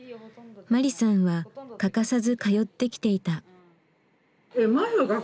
マリさんは欠かさず通ってきていた。